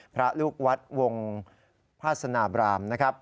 พระลูกวัดวงภาษณาบรามนะครับ